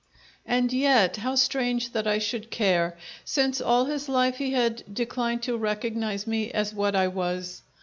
And yet, how strange that I should care, since all his life he had declined to recognize me as what I was!